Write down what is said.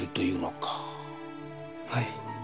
はい。